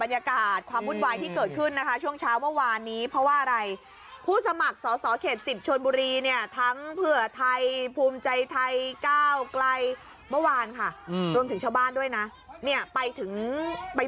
ยอมไม่ยอมกันค่ะ